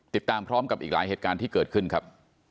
ติดตามพร้อมกับอีกหลายเหตุการณ์ที่เกิดขึ้นครับ